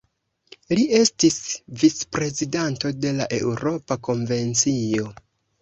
Li estis vicprezidanto de la Eŭropa Konvencio.